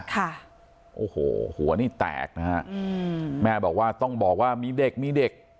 ค่ะโอ้โหหัวนี่แตกนะฮะอืมแม่บอกว่าต้องบอกว่ามีเด็กมีเด็ก